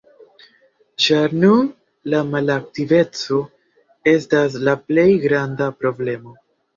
Ĉar nun la malaktiveco estas la plej granda problemo.